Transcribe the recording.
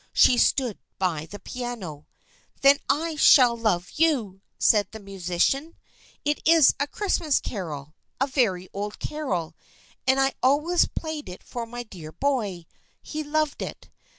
She stood by the piano. " Then I shall love you !" said the musician. " It is a Christmas carol, a very old carol, and I al ways played it for my dear boy. He loved it.